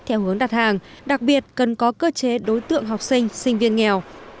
theo hướng đặt hàng đặc biệt cần có cơ chế đối tượng học sinh sinh viên nghèo